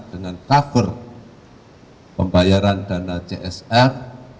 dengan cover pembayaran dana csr